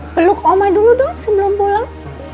peluk oma dulu dong sebelum pulang